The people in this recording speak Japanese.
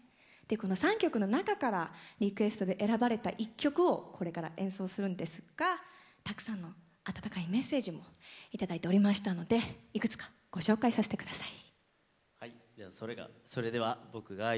この３曲の中からリクエストで選ばれた１曲をこれから演奏するんですがたくさんの温かいメッセージもいただいておりましたのでいくつかご紹介させてください。